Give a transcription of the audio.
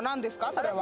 それは。